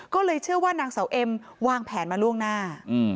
ก็เลยเชื่อว่านางเสาเอ็มวางแผนมาล่วงหน้า